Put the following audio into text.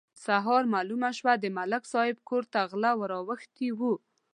سهار مالومه شوه: د ملک صاحب کور ته غله ور اوښتي وو.